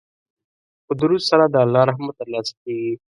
په درود سره د الله رحمت ترلاسه کیږي.